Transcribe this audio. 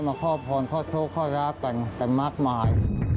ขอพรขอโชคข้อรับกันกันมากมาย